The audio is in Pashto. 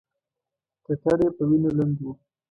ټټر یې په وینو لوند و.